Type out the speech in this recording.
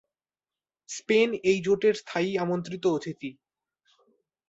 Spain এই জোটের স্থায়ী আমন্ত্রিত অতিথি।